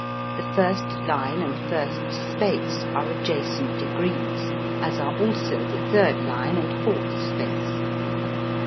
(The first line and first space are adjacent degrees, as are also the third line and fourth space.)